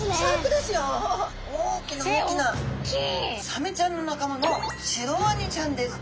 サメちゃんの仲間のシロワニちゃんです。